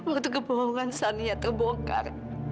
waktu kebohongan saniah terbongkar